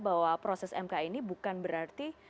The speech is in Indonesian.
bahwa proses mk ini bukan berarti